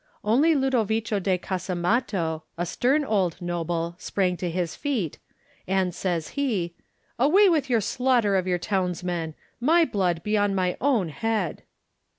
Only Ludovico da Casamatto, a stem old noble, sprang to his feet, and says he: "Away with your slaughter of your towns men! My blood be on my own head!"